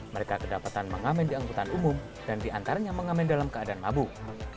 mereka kedapatan mengamen di angkutan umum dan diantaranya mengamen dalam keadaan mabuk